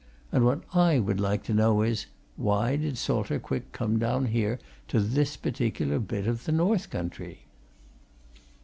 And what I would like to know is why did Salter Quick come down here, to this particular bit of the North Country?"